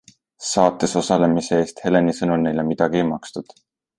Saates osalemise eest Heleni sõnul neile midagi ei makstud.